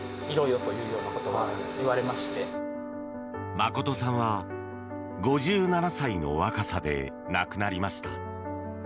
眞さんは５７歳の若さで亡くなりました。